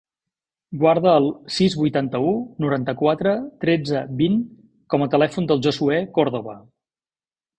Guarda el sis, vuitanta-u, noranta-quatre, tretze, vint com a telèfon del Josuè Cordova.